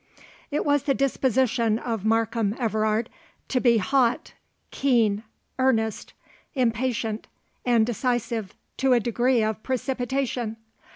It was the disposition of Markham Everard to be hot, keen, earnest, impatient, and decisive to a degree of precipitation.